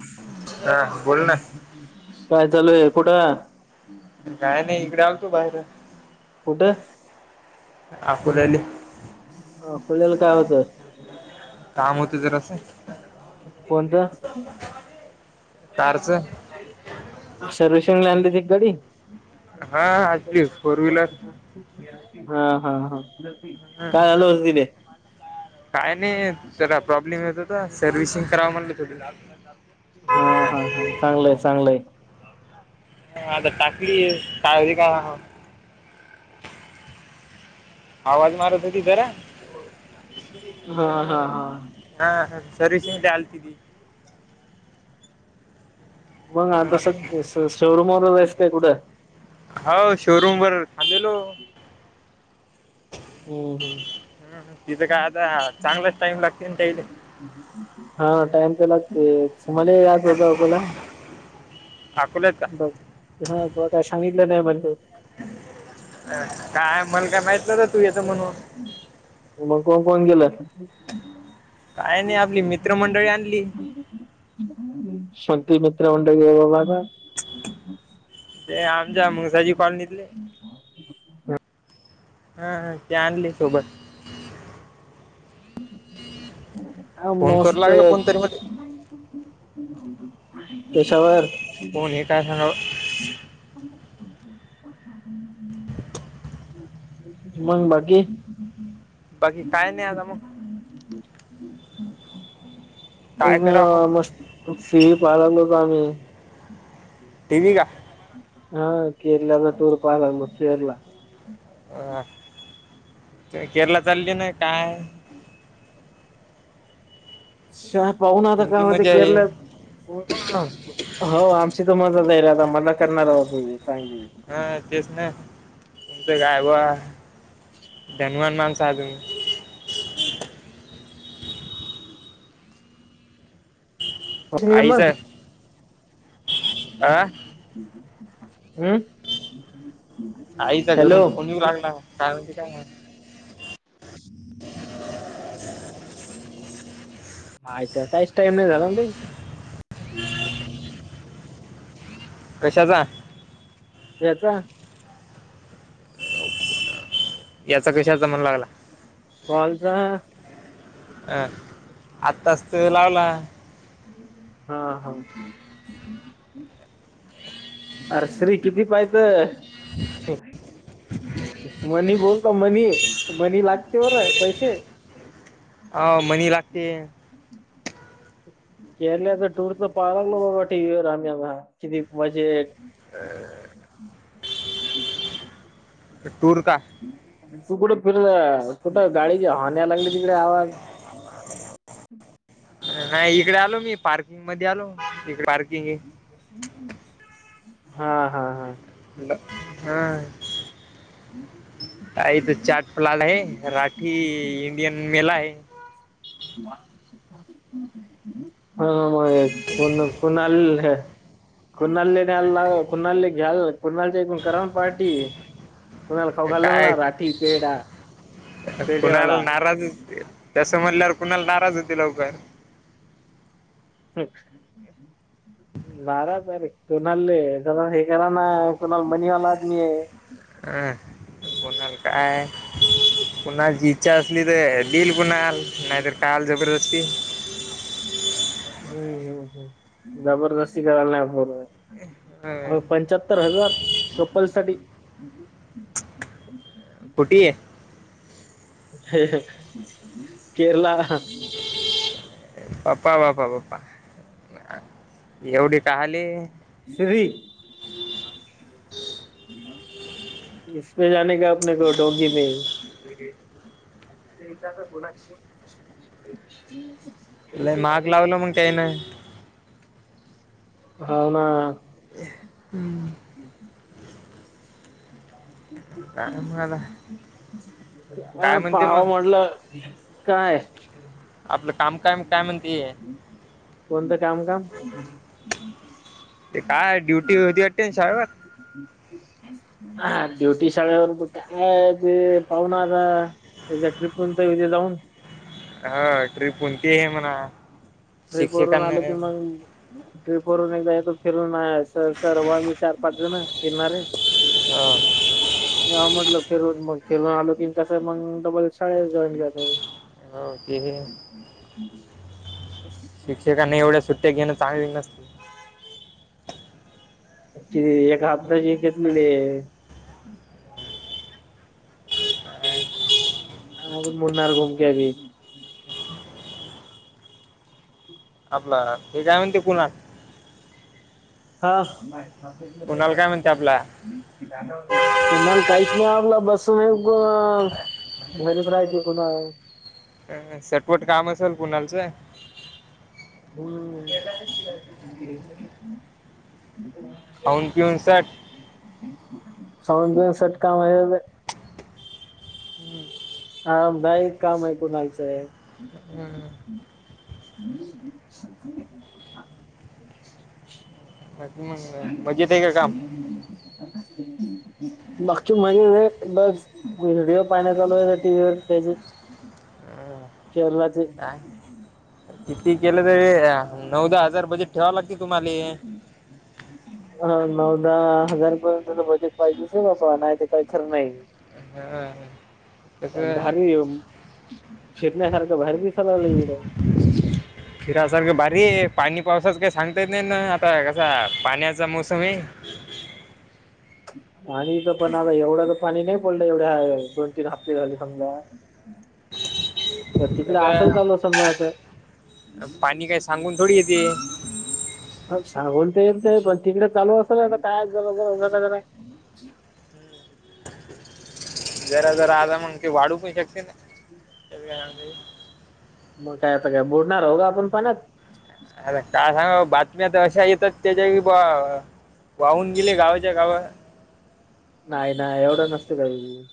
[unintelligible] ह बोल ना. [unintelligible] काय चालू आहे कुठं काय नाही. इकडे आलतो बाहेर. कुठं? अकोल्याले. अकोल्याला काय होतं [unintelligible] काम होत जरासं. [unintelligible] कोणतं? कारचं [unintelligible] सर्विसिंगला आणली होती गाडी. हा आपली फोर व्हीलर [unintelligible] हा, हा, हा. [unintelligible] काय झाल [unintelligible] ले काय नाही. जरा प्रॉब्लेम येत होता. सर्वि्हिसिंग करावं म्हणलं थोडी. लाग हा, हा, हा. चांगलंय, चांगलंय. ह, आता टाकलीय. [unintelligible] आवाज मारत होती जरा. [unintelligible] हा, हा, हा. हा ह. सर्व्हिसिंग आलती ती. मग आता स शोरूम व वरस काय, कुठं? हो. शोरूम वर आलेलो. हम्म हम्म [unintelligible] हम्म, तिथं का आता, चांगलाच टाईम लागतयं न [unintelligible] हा, टाइम त लागतयच. मले याच होत अकोला, अकोल्यात का बघ. ह, ब काय सांगितलं नाही, म्हणे. काय, मल काय माहितलं तू याेतं म्हणून. मग कोण- कोण गेलं? काय नाही, आपली मित्रमंडळी आणली. [unintelligible] मित्र मंडळीय बाबा आता. ते आमच्या, मुसाजी कॉलनीतले. हा, हा. ते आणली सोबत. फोन करू लागलो कोणतरी मध्ये [unintelligible] [unintelligible] कशावर? [unintelligible] मंग, बाकी. बाकी काय नाही, आता मग. काय करावं [unintelligible] आम्ही. टी. व्ही. का? हा केरल्या टूर [unintelligible] केरला. अ, ते केरला चालली ना, काय? [unintelligible] पाहून आता तुमची का [unintelligible] ते मजा आहे केरल्यात. [unintelligible] हो, आमची तर मजाचय र आता मजा करणार होत चांगली. हा तेच ना. तुमचं काय बुवा, धनवान माणसं हा तुम्ही. होंगम आईचा आ हम्म आईचा हॅलो घरून फोन येऊ लागला काय म्हणे काय नाही झाले मायच त्याच टाइम नाही झाला नाई कशाचा याचा याचा कशाचा म्हण लागला पालचा अ आत्ता तासत लावला हा हा अर श्री किती पाहि तर ह मनी बोलतो मनी मनी लागते होर पैसे अ मणी लागते केरल्याचा टूर तर पाहा लागलो बाबा टी व्वरर आम्ही आ किती बजेट अ टूर का तू कुठं फिर कुठं गाडीच्या हण्याला लागली तिकडे आवाज नाही इकडे आलो मी पार्किंग मध्ये आलो इकडे पार्किंग हा हा हा हा इथ चाट प्लाट आहे राठी इंडियन मलाय हा म पण कोणाल कुणाले न्यायला ला कुणाले घ्याल कुणालच्या ण कराव पार्टी कोुणाला खाऊ घाल्लेल काय ना रात पेढा पेढेवाला त्यासं म्हटल्यावर कुणाला नाराज होते लवकर ठीक बाराजर कोणाल ज हे करा ना कोणाला मनीवाला आदमी आहे अं कोणा काय पुणा जी इच्छा असली तर दिल कणा आल नाहीतर काल जबरदस्ती हम्म हम्मम् जबरदस्ती कर नाही बर अ पंचाहत्तर हजार कप्पल साठी कुठी आहे केरला पप्पा प्पा पप्पा एवढी काली श्री इसमे जाने का आपने को डोंगकी मे तेदा तर बोला क महाग लावलं मग काही ना होव ना हम् काय मला काय अ म्हणते पावा मग म्हटलं काय आपलं काम काय काय म्हणते कोणतं काम काम ते काय ड्युटी होती अटेनशबर ह् हा ब्युटी शाळेवरून कुठ काय आहे ते पाहणार आ एकदा ट्रीप तरथे जाऊन हा ट्र्रीप कोणती आहे म्हणा करून शिक्षकांना आलं कि मग ट्रिप वरून एकदा येतो फिरून सर सर व मी चार पाच जण फिरणार आहे हो म्हटलं फिरवून मग फिरून आलो की कसं मग डबल शाळेेत जॉईन कर हो ते हे हम्् हम् शिक्षकांना एवढ्या सुट्ट्या घेणं चांगली नसते अक्चुली एक हातदाची घेतले हून मुनणार घुमक्या बी ह आपलं हेच्या म्हण ते कुला हा बा कुणाल ह काय म्हणते आपला तुणाल काहीच नाही आपला बसून घरीच राहते कुणा सटपट काम असेल कुणालचं हो अनतीोसठ सव दोनसषटका म्ह हम्म हा नाही काम आहेऐ कोणायचंय अं, ह् ह् बाकी मग [inaudible] मजेत आहे का काम बघचू मजे र बस व्हिडिओ पाहण्यात आलू आहे टी व्ही वर त्याचे अं, शेरणाचे काय किती केलं तरी नऊदा हजार बजेट ठेवावं लागते तुम्हाला ह् ह् ह नऊदाहा हजारपर्यंतच बजेट पाहिजे शेसं ना तर काही खरं नाही हम् हम हम भारी फिरण्यासारखं भहेर दिसालावले फिरासारखं बारी आहे पाणी पावसाच काही सांगता येत नाही ना आता कसा पाण्याचा मोसम आहे पाणी तर पण आता एवढं तर पाणी नाही पडलं एवढ्या दोन तीन हफ्ते झाले समजा तर तिकडे असेल चालू कसं समजा असं पाणी काय सांगून थोडी येते सांगोलता ये ते पण तिकडे चालू असेलय ना काय जर जरा जरा आता मग ते वाढू पण शकते ना हम् ते काी मग काय आता काय बडणार हो का आपण पणत अर काय सांगा बातम्या तर अशा येतात त्याच्या कि बा वाहून गेले गावाच्या गाव नाही ना एवढं नसत काही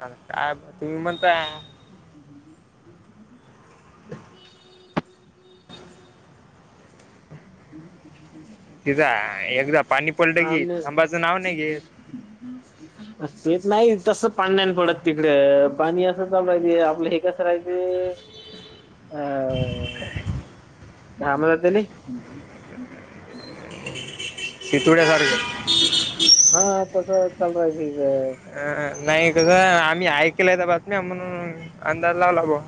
काय तुम्ही म्हणताय हम्म ह तिथं एकदा पाणीपल्ट घी खंबाचं नाव नाही घेत ब तेेत नाही तस पाण्या पडत तिकडे पाणी असं ललं आपलं हे सरये ह घम जात तथुड्या सारखं हा तसं चालय भ अ नाही कसं आम्ही ऐकलंय त्या बातम्या म्हणून अंदाज लावला भा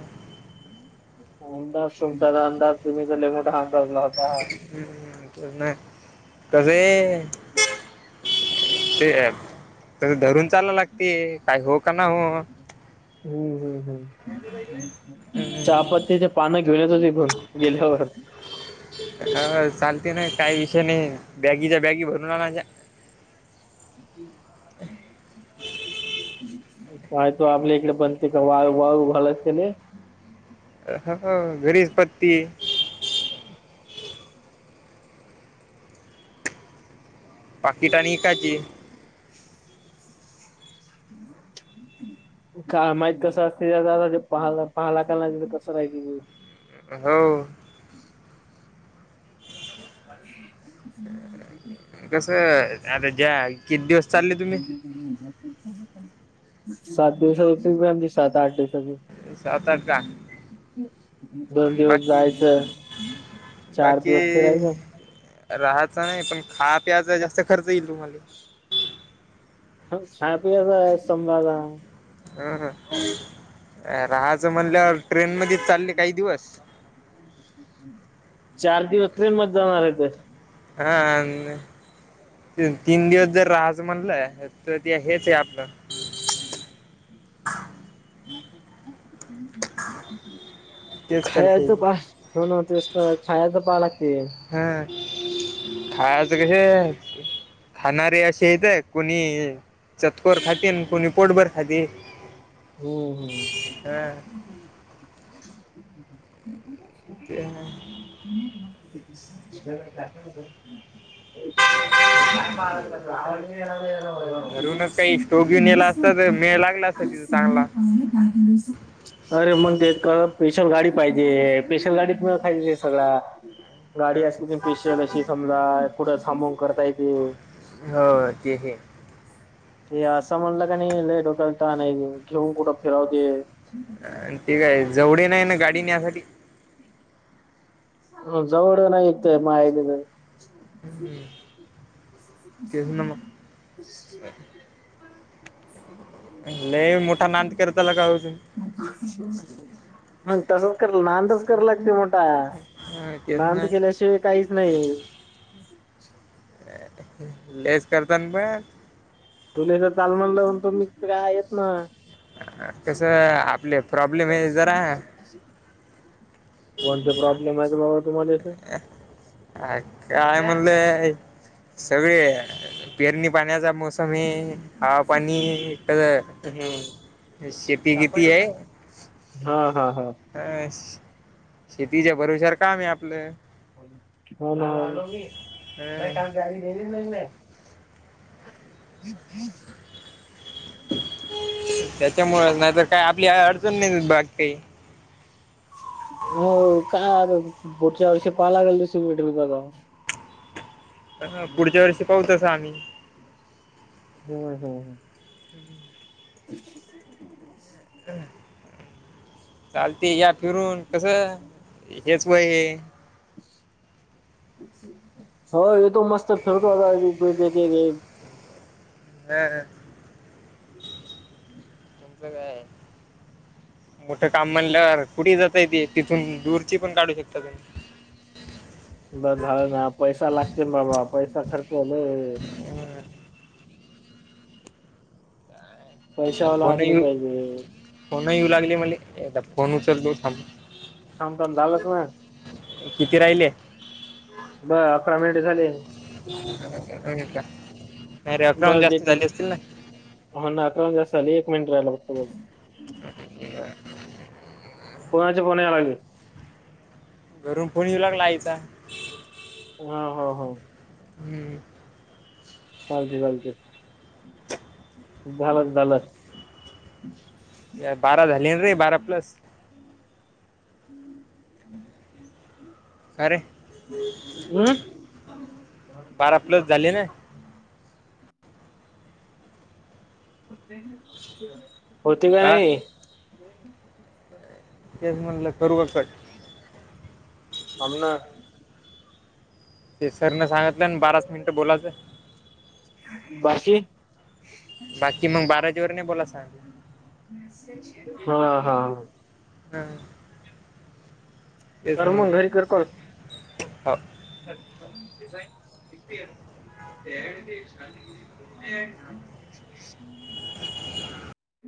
अंदाज सुंगटला अंदाज तुम्ही कले मोठा अंदाजलाताा नाही कसे ते आहेतप तस धरून चाल लागते काय हो का ना हो हम्म हम् हम् चहापत्तीच्या पानं घेऊनचं तघून गेल्यावर ह चालते ना काही विषय नाही बॅगीच्या बॅगी भरून आणला ह काय तो आपल्या इकडे बनते का वाळू वाळू घालत केले ह ह गरीजपत्ती पाकिट आणि काजी ह का माहिित कसं असतेहाला पाहा का नाही कसं राहि हो हम् कसं आता ज्या किती दिवस चालले तुम्ही सात दिवसा होती म आमची सात आठ दिवसाची सात आठ का दोन दिवस बाकी जायचं चार दिवस ते राहिग राहायचं नाही पण खा प्यायचा जास्त खर्च येईल तुम्हाला हपी आहे संभा ह ह राहाच म्हणल्यावर ट्रेन मध्ये चालले काही दिवस चार दिवस ते मजाणार आहे ते हा आणि तीन दिवस जर राज म्हणलंय तर ते हेच आहे आपलं [inaudible] तेच खर्च खायचं येईल पाहा ठे नतेत खायच पहा लागते हम खाच कसे खाणारे असे येतय कोणी चतकोर खाती आणि कोणी पोटभर खाती होम् हो हम् ते [inaudible] का घरूनच स काही स्टोव घेऊन येला असता तर मेळ लागला अ असता तिथं चांगला बास अरे मग ते का स्पेशल गाडी पाहिजे स्पेशल गाडीत खाय सगळ गाडी असली त स्पेशल अशी समजा कुढं थांबवून करता येते हो ते हे असं म्हणलं का नाही ल डोक्याल त नाही घेऊन कुठं फिरावते आणि तेठी काय जवडे नाही ना गाडी नसाठी हम् जवळ नाही यत माय ह [inaudible] ह मुठा नान करतला का होच ह तसच क नांदच करा लागते मोठ तुम्ही तेच नांद ना केल्याशिवाय काहीच नाही ललेस करत प तुलास चाल म्हणलं म्हण तो मी काय येत ना कस आपले प्रॉब्लेम हे जरा कोणते प्रॉब्लेम आहे ते बाबा तुम्हाला इथे अ काय म्हणलं सगळे पेरणी पाण्याचा मोस म हा पाणी शेती किती आहे हा हा हा अ शेतीच्या भरविशर काम आहे आपलं मी नाही काम ह गाडी गेली नाही नाही हम् हम् त्याच्यामुळे नाहीतर काय आपली अडचण नाही बाग काही हो कायर बोटच्या वर्षी पाहाला लागेल दिस मिट मी बघा [unintelligible] पुढच्या वर्षी पाहतसा आम्ही हो हो हम् ह चालते या फिरून कस हेच वय हो हेेतो मस्त फेरतो आता हम् हम ् एच कायय मोठं काम म्हणल्यावर कुठे जातयेत तिथून दूरची पण काढू शकता तुम्ही बर झा ना पैसा लागते बाबा पैसा खर्चले तुम्ही पैशावाला फोन आदमी ये पाहिजे फोन येऊ लागले मले आ फोन उचललो थांब ांम म झालंत ना किती राहिले बर अकरा मिनिटे झाले का रे अकवन बस जास्ती एक दली अस असतीलल ना हो ना अकरा जास्त झाली एक मिनिट राहिला फघत ब या पुण्यां पुण्यालाग गरम पणीऊ लागलायचा हा हो हो हम्म चालत चालत झालं झालं बारा झाली रे बारा प्लस खरे हम् बारा प्लस झाले ना होती का अ नाही तेस म्हणटलं करू कट आमना ते सरने सांगितलं बाराच मिनट बोलायचं बाशी बाकी मग बाराजी वर नाही बोला सांग हा हा ह हम कर मग घरी म्हणलं करक हो अच्छा िझाईन ना